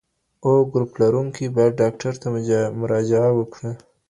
O ګروپ لرونکي باید ډاکټر ته مراجعه وکړي.